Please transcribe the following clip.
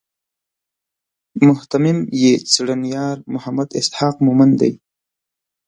مهتمم یې څېړنیار محمد اسحاق مومند دی.